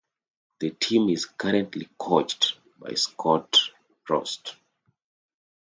The team is currently coached by Scott Frost.